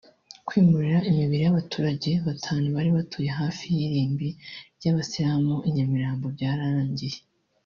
Kwimura imibiri n’abaturage batanu bari batuye hafi y’irimbi ry’abayisilamu I Nyambirambo byarangiye